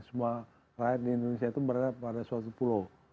semua rakyat di indonesia itu berada pada suatu pulau